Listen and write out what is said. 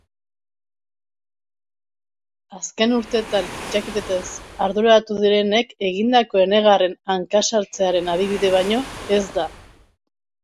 Azken urtetan fitxaketetaz arduratu direnek egindako enegarren hankasartzearen adibide baino ez da.